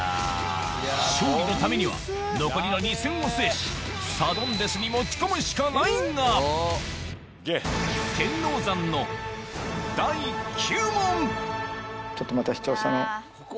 勝利のためには残りの２戦を制しサドンデスに持ち込むしかないが天王山のちょっとまた。